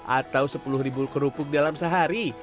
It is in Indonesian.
atau sepuluh ribu kerupuk dalam sehari